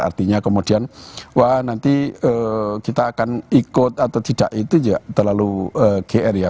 artinya kemudian wah nanti kita akan ikut atau tidak itu ya terlalu gr ya